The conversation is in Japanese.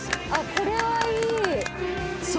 これはいい！